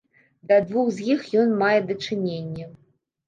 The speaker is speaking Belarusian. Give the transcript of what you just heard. Да двух з іх ён мае дачыненне.